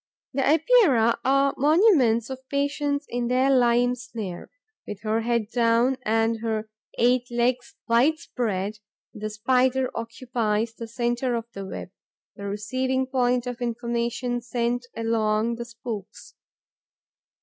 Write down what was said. The Epeirae are monuments of patience in their lime snare. With her head down and her eight legs wide spread, the Spider occupies the centre of the web, the receiving point of the information sent along the spokes.